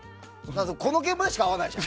この現場でしか会わないじゃん。